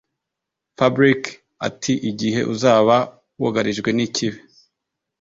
Fabric atiigihe uzaba wugarijwe nikibi